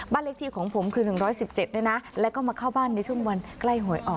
บ้านเลขที่ของผมคือหนึ่งร้อยสิบเจ็ดด้วยนะแล้วก็มาเข้าบ้านในช่วงวันใกล้หวยออก